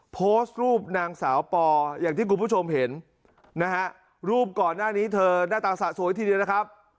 โพสต์รูปนางสาวปออย่างที่คุณผู้ชมเห็นนะฮะรูปก่อนหน้านี้เธอหน้าตาสะสวยทีเดียวนะครับ